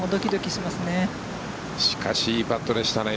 しかしいいパットでしたね